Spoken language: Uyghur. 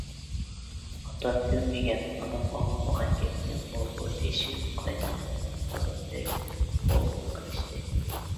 ئاتام كۆرمىگەن، ئانام ئاڭلىمىغان گەپكەنغۇ بۇ دېيىشىپ، قايناۋاتقان قازاندەك غۇلغۇلا قىلىشتى.